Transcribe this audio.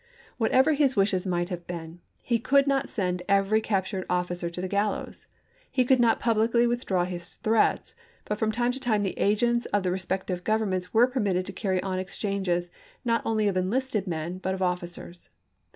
Whatever his wishes might have been, he could not send every captured officer to the gal lows. He did not publicly withdraw his threats, but from time to time the agents of the respective governments were permitted to carry on exchanges not only of enlisted men, but of officers.